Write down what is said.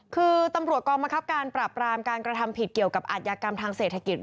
คือตำรวจกองบังคับการปราบรามการกระทำผิดเกี่ยวกับอาทยากรรมทางเศรษฐกิจ